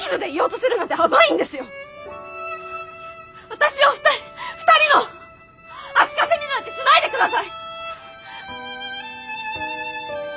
私を２人の足かせになんてしないで下さい！